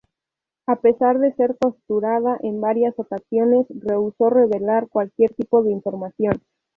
A pesar de ser torturada en varias ocasiones, rehusó revelar cualquier tipo de información.